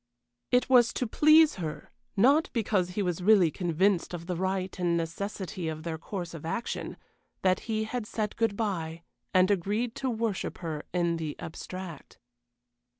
It was to please her, not because he was really convinced of the right and necessity of their course of action, that he had said good bye and agreed to worship her in the abstract.